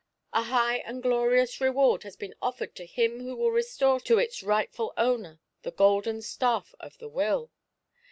A high and glorious reward has been offered to him who will restore to its rightful owner the golden staff of the Will.